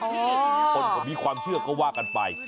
พวกมันก็มีความเชื่อก็ว่ากันไป